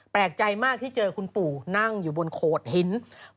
แปลกใจมากที่เจอคุณปู่นั่งอยู่บนโขดหิน